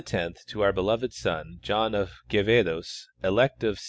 Leo X to our beloved son John of Quevedos, elect of S.